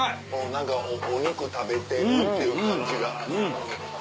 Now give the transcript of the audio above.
何かお肉食べてるっていう感じが。